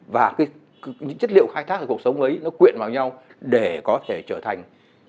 và những chất liệu khai thác của cuộc sống ấy nó quyện vào nhau để có thể trở thành